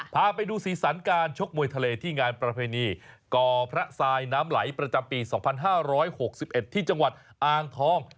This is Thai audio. พาไปดูสีสันการชกมวยทะเลที่งานประเพณีก่อพระทรายน้ำไหลประจำปี๒๕๖๑ที่จังหวัดอ่างทอง